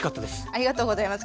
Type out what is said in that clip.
ありがとうございます。